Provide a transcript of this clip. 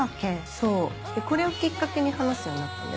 そうでこれをきっかけに話すようになったんだよ。